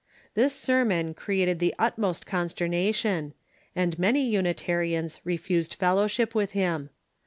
This sermon created the utmost consternation, and many Unitarians re fused fellowship with him.